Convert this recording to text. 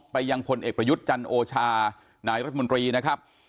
ยังพลเอกประยุทธ์จันโอชานายรัฐมนตรีนะครับ